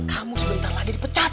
kamu sebentar lagi dipecat